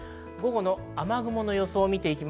午後の雨雲の様子です。